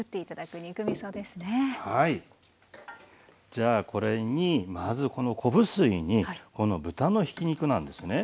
じゃあこれにまずこの昆布水にこの豚のひき肉なんですね。